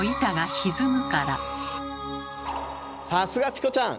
さすがチコちゃん！